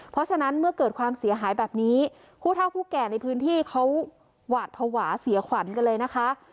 เพราะฉะนั้นเมื่อเกิดความเสียหายแบบนี้ผู้เท่าผู้แก่ในพื้นที่เขาหวาดภาวะเสียขวัญกันเลยนะคะ